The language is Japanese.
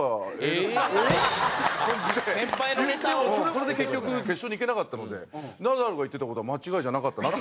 それで結局決勝にいけなかったのでナダルが言ってた事は間違いじゃなかったんだなって。